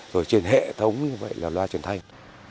rồi trên hệ thống như vậy là loa truyền thanh